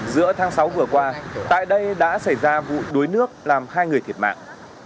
giữa tháng sáu vừa qua tại đây đã xảy ra vụ đuối nước làm hai người thiệt mạng